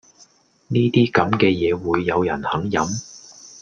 呢啲咁嘅嘢會有人肯飲?